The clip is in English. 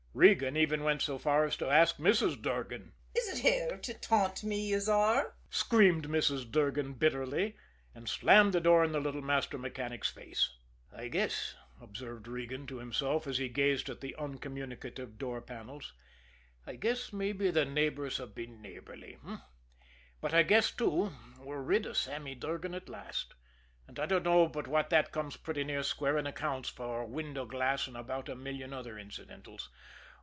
Regan even went so far as to ask Mrs. Durgan. "Is ut here to taunt me, yez are!" screamed Mrs. Durgan bitterly and slammed the door in the little master mechanic's face. "I guess," observed Regan to himself, as he gazed at the uncommunicative door panels, "I guess mabbe the neighbors have been neighborly h'm? But I guess, too, we're rid of Sammy Durgan at last; and I dunno but what that comes pretty near squaring accounts for window glass and about a million other incidentals.